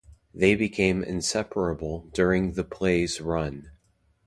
They became inseparable during the play's run.